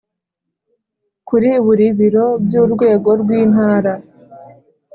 kuri buri biro by urwego rw intara